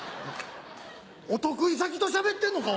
お得意先としゃべってんのか？